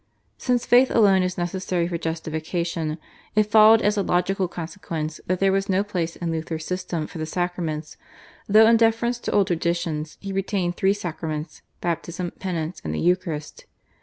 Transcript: Since faith alone is necessary for justification it followed as a logical consequence that there was no place in Luther's system for the Sacraments, though in deference to old traditions he retained three Sacraments, Baptism, Penance, and the Eucharist.